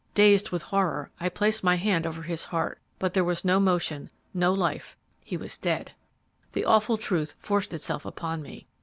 Dazed with horror, I placed my hand over his heart, but there was no motion, no life, he was dead! The awful truth forced itself upon me.